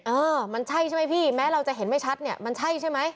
เออมันใช่ใช่ไหมพี่แม้เราจะเห็นไม่ชัดเนี่ยมันใช่ใช่ไหม